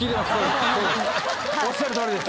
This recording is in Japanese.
おっしゃるとおりです。